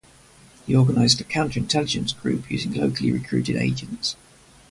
He organized a counter-intelligence group using locally recruited agents.